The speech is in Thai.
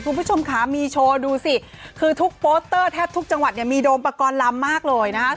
คุณผู้ชมค่ะมีโชว์ดูสิคือทุกโปสเตอร์แทบทุกจังหวัดเนี่ยมีโดมปกรณ์ลำมากเลยนะคะ